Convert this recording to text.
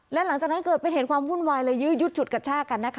และหลังจากนั้นเกิดเป็นเหตุความวุ่นวายและยืดชุดกับชาติกันนะคะ